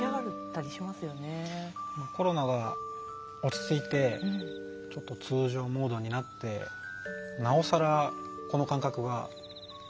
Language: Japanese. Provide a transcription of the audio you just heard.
コロナが落ち着いてちょっと通常モードになってなおさらこの感覚が大きくなってるんですかね。